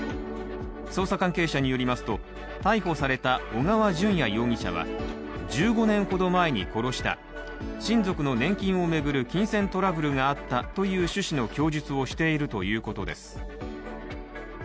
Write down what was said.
捜査関係者によりますと逮捕された小川順也容疑者は１５年ほど前に殺した、親族の年金を巡る金銭トラブルがあったという趣旨の供述をしているということです。